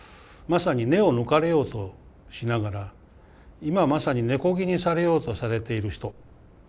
まさに根を抜かれようとしながら今まさに根こぎにされようとされている人。